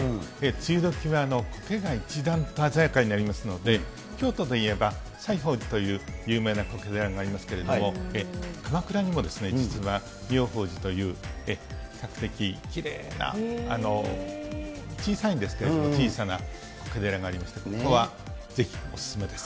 梅雨時はこけが一段と鮮やかになりますので、京都でいえば、さいほう寺という有名なこけ寺もありますけど、鎌倉にも実はみょうほう寺という、比較的きれいな、小さいんですけれども、小さな寺がありまして、ここはぜひお勧めです。